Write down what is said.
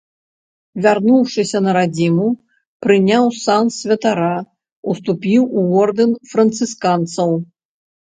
Вярнуўшыся на радзіму, прыняў сан святара, уступіў у ордэн францысканцаў.